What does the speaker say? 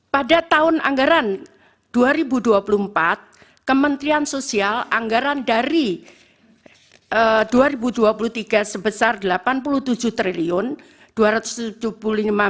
pada tahun anggaran dua ribu dua puluh empat kementerian sosial anggaran dari dua ribu dua puluh tiga sebesar rp delapan puluh tujuh triliun